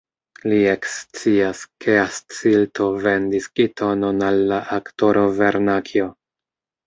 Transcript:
Li ekscias, ke Ascilto vendis Gitonon al la aktoro Vernakjo.